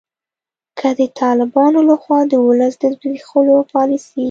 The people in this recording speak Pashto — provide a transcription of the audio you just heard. که د طالبانو لخوا د ولس د زبیښولو پالسي